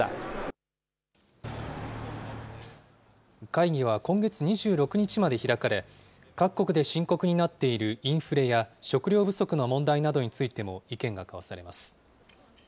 会議は今月２６日まで開かれ、各国で深刻になっているインフレや食料不足の問題などについても意見が交わされます。